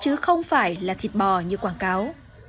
chứ không phải là thịt bò như quảng cáo